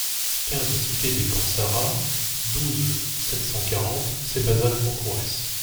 quinze cité des Camps Sarrats, douze, sept cent quarante, Sébazac-Concourès